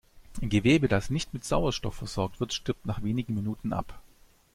Gewebe, das nicht mit Sauerstoff versorgt wird, stirbt nach wenigen Minuten ab.